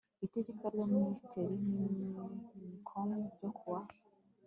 Iteka r y a Minisitiri n Minicom ryo ku wa